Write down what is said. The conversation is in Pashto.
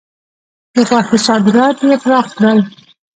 د غوښو صادرات یې پراخ کړل.